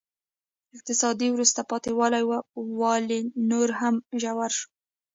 اقتصادي وروسته پاتې والی نور هم ژور شو.